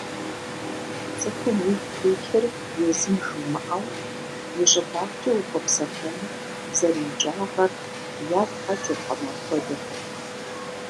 ЦӀыхум уигу хуилъыр езым жумыӀэу, и щӀыбагъкӀэ ухуэпсэлъэныр зэрыикӀагъэр ягу къэкӀыркъым апхуэдэхэм.